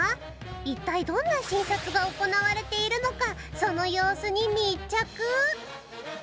いったいどんな診察が行われているのかその様子に密着。